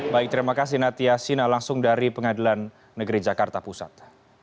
baik terima kasih natia sina langsung dari pengadilan negeri jakarta pusat